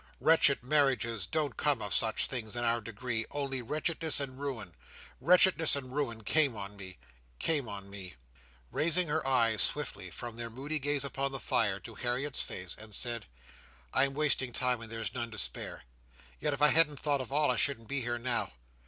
Wretched marriages don't come of such things, in our degree; only wretchedness and ruin. Wretchedness and ruin came on me—came on me." Raising her eyes swiftly from their moody gaze upon the fire, to Harriet's face, she said: "I am wasting time, and there is none to spare; yet if I hadn't thought of all, I shouldn't be here now.